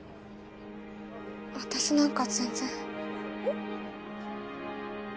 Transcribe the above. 私なんか全然うん？